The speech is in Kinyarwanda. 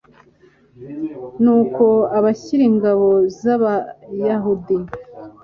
nuko ahashyira ingabo z'abayahudi